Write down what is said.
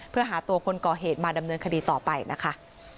เพื่อหาตัวคนก่อเหตุมาดำเนินคดีต่อไปนะคะ